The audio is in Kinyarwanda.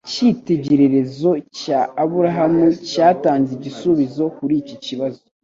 Icyitegererezo cya Aburahamu cyatanze igisubizo kuri iki kibazo